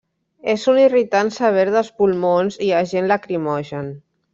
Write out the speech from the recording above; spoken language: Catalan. És un irritant sever dels pulmons i agent lacrimogen.